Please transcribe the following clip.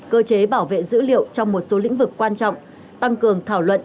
cơ chế bảo vệ dữ liệu trong một số lĩnh vực quan trọng tăng cường thảo luận